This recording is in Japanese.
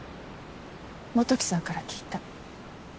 基樹さんから聞いた。